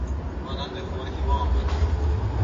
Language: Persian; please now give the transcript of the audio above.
آنان به کمک ما آمدند.